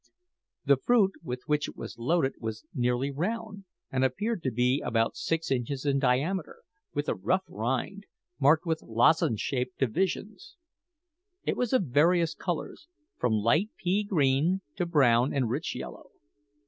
The fruit, with which it was loaded, was nearly round, and appeared to be about six inches in diameter, with a rough rind, marked with lozenge shaped divisions. It was of various colours, from light pea green to brown and rich yellow.